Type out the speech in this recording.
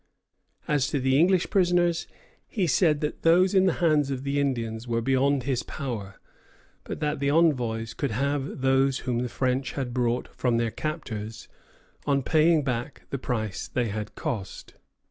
As to the English prisoners, he said that those in the hands of the Indians were beyond his power; but that the envoys could have those whom the French had bought from their captors, on paying back the price they had cost.